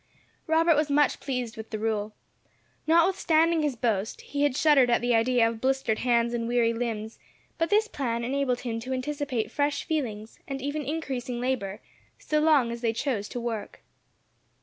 Robert was much pleased with the rule. Notwithstanding his boast, he had shuddered at the idea of blistered hands and weary limbs; but this plan enabled him to anticipate fresh feelings, and even increasing labour, so long as they chose to work.